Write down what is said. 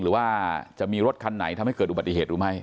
หรือว่าจะมีรถคันไหนทำให้เกิดอุบัติเหตุหรือไม่